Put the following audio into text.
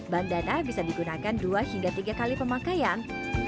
bandana bisa digunakan dua hingga tiga kali pemakaian